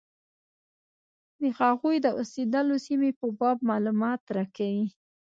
د هغوی د اوسېدلو سیمې په باب معلومات راکوي.